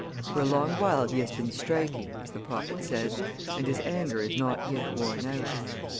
For a long while He has been striking, as the prophet says, and His anger is not yet worn out.